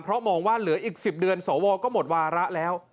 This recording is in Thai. เพราะมองว่าเหลืออีก๑๐เดือนสวก็หมดวาระแล้ว